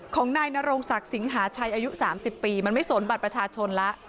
ของนายนโรงศักดิ์สิงหาชัยอายุ๓๐ปีมันไม่สนบัตรประชาชนแล้ว